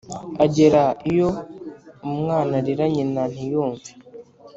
Agera iyo umwana arira nyina ntiyumve